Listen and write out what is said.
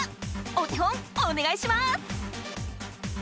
お手本おねがいします！